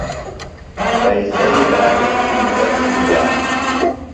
پئیسئی لالچ کیۡ مُٹہ چِھنجانہ۔